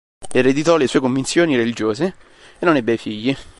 Ereditò le sue convinzioni religiose e non ebbe figli.